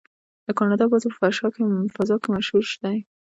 د کاناډا بازو په فضا کې مشهور دی.